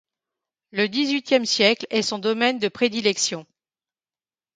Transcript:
Le dix-huitième siècle est son domaine de prédilection.